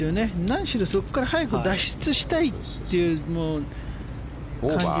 何しろ、そこから早く脱出したいという感じ。